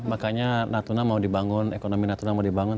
makanya natuna mau dibangun ekonomi natuna mau dibangun